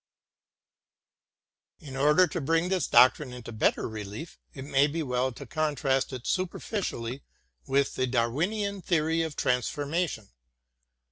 In order to bring this doctrine into better relief, it may be well to contrast it superficially with the Darwinian theory of transformation.